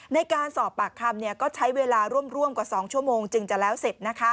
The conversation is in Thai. ในการสอบปากคำก็ใช้เวลาร่วมกว่า๒ชั่วโมงจึงจะแล้วเสร็จ